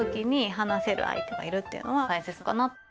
っていうのは大切かな。